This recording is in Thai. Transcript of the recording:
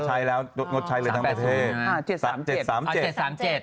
ใช้แล้วงดใช้เลยทั้งประเทศ